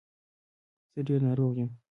زه ډېر ناروغ یم.